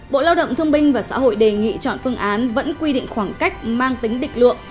bộ lao động thương binh và xã hội đề nghị chọn phương án vẫn quy định khoảng cách mang tính định lượng